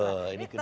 betul ini kedai